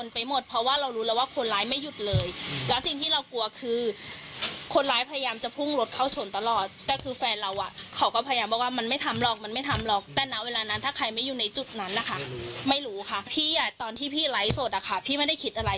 พี่ตอนที่พี่ไลท์สดพี่ไม่ได้คิดอะไร